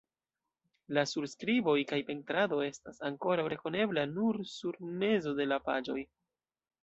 La surskriboj kaj pentrado estas ankoraŭ rekonebla nur sur mezo de la paĝoj.